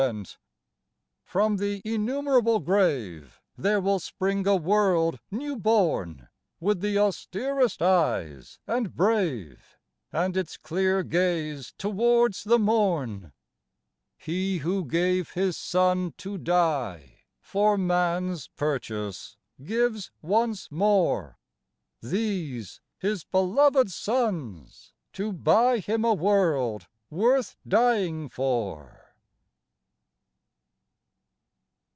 D 50 FLOWER OF YOUTH From the innumerable grave There will spring a world new born, With the austerest eyes and brave And its clear gaze towards the morn. He who gave His Son to die For man's purchase, gives once more These, His beloved sons, to buy Him a vorld worth dying for.